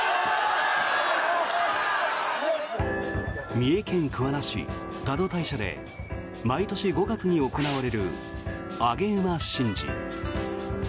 三重県桑名市、多度大社で毎年５月に行われる上げ馬神事。